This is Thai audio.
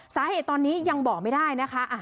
สาเหตุตอนนี้ยังบอกไม่ได้นะคะ